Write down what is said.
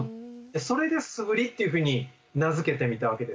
それで素振りっていうふうに名付けてみたわけです。